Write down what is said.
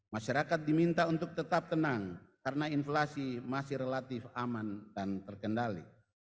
masyarakat diminta untuk tetap tenang karena inflasi masih relatif aman dan terkendali